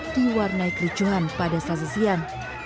diwarnai kericuhan pada selesian